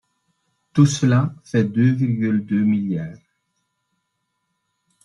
Tout cela fait deux virgule deux milliards.